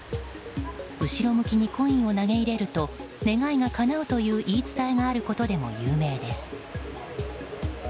後ろ向きにコインを投げ入れると願いがかなうという言い伝えがあることでも有名です。